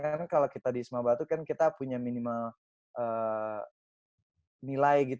karena kalau kita di wisma batu kan kita punya minimal nilai